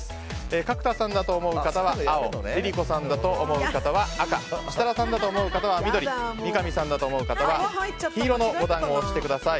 角田さんだと思う方は青ＬｉＬｉＣｏさんだと思う方は赤設楽さんだと思う方は緑三上さんだと思う方は黄色のボタンを押してください。